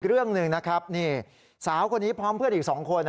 เรื่องหนึ่งนะครับนี่สาวคนนี้พร้อมเพื่อนอีก๒คน